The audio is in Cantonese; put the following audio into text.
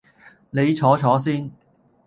你坐坐先